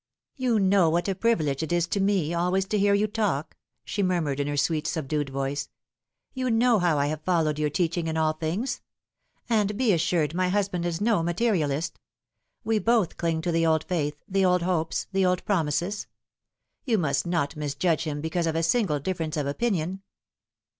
" You know what a privilege it is to me alwajs to hear you talk," she murmured in her sweet, subdued voice. " You know how I have followed your teaching in all things. And be assured my husband is no materialist. We both cling to the old faith, the old hopes, the old promises. Yon must not misjudge him because of a single difference of opinion."